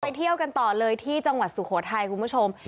เที่ยวกันต่อเลยที่จังหวัดสุโขทัยคุณผู้ชม